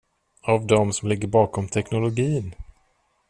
Av dem som ligger bakom teknologin.